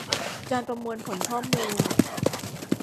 การประมวลผลข้อมูล